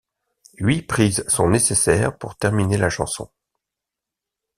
Huit prises sont nécessaires pour terminer la chanson.